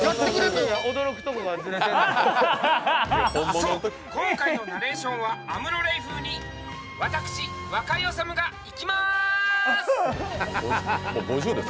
そう、今回のナレーションはアムロ・レイ風に私、若井おさむが行きまーす！